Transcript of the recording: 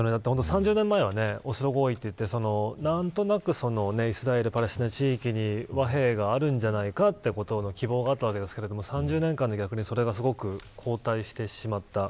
３０年前はオスロ合意といって何となくイスラエル、パレスチナ地域に和平があるんじゃないかということの希望があったわけですけれども３０年間でそれが逆に後退してしまった。